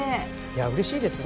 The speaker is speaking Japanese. うれしいですね。